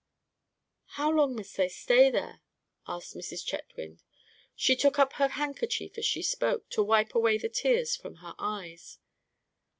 "How long must they stay there?" asked Mrs. Chetwynd. She took up her handkerchief as she spoke, to wipe away the tears from her eyes.